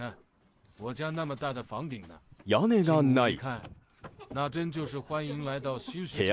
屋根がない。